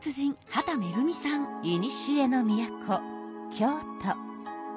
いにしえの都京都。